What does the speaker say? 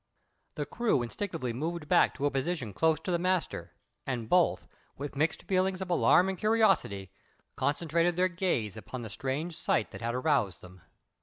The crew instinctively moved back to a position close to the master, and both, with mixed feelings of alarm and curiosity, concentrated their gaze upon the strange sight that had aroused them.